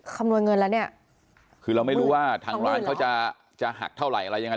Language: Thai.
คำนวณเงินแล้วเนี่ยคือเราไม่รู้ว่าทางร้านเขาจะจะหักเท่าไหร่อะไรยังไง